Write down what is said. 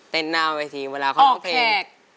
เต้นหน้าวิธีเวลาเข้าเพลงออกแขก